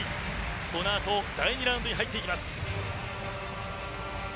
このあと第２ラウンドに入ります。